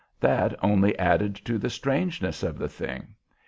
That only added to the strangeness of the thing.